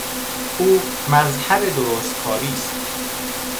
او مظهر درستکاری است.